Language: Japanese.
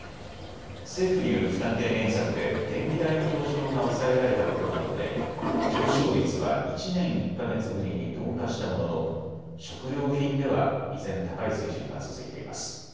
政府による負担軽減策で電気代の上昇が抑えられたことなどで上昇率は１年１か月ぶりに鈍化したものの食料品では依然高い水準が続いています。